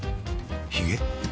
ひげ？